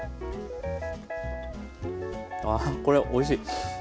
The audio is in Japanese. ああこれおいしい！